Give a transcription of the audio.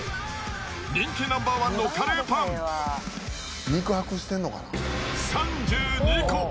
人気ナンバー１のカレーパン、３２個。